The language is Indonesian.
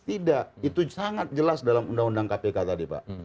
tidak itu sangat jelas dalam undang undang kpk tadi pak